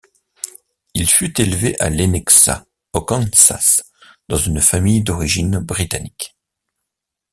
Il fut élevé à Lenexa, au Kansas dans une famille d'origine britannique.